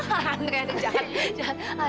hah reaksinya jahat jahat